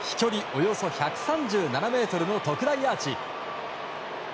およそ１３７ｍの特大アーチ。